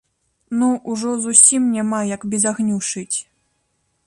Ну, ужо зусім няма як без агню шыць!